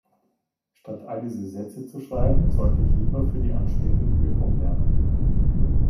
Statt all diese Sätze zu schreiben, sollte ich lieber für die anstehende Prüfung lernen.